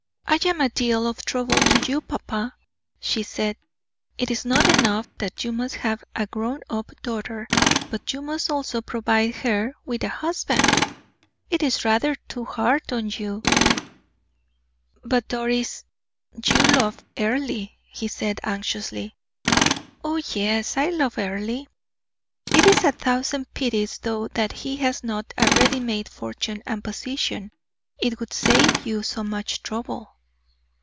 "I am a deal of trouble to you, papa," she said. "It is not enough that you must have a grown up daughter, but you must also provide her with a husband! It is rather too hard on you." "But, Doris, you you love Earle?" he said, anxiously. "Oh, yes, I love Earle. It is a thousand pities, though, that he has not a ready made fortune and position it would save you so much trouble."